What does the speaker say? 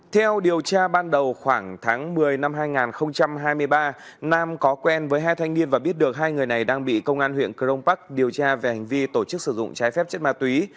theo điều tra ban đầu khoảng tháng một mươi năm hai nghìn hai mươi ba nam có quen với hai thanh niên và biết được hai người này đang bị công an huyện crong park điều tra về hành vi tổ chức sử dụng trái phép chất ma túy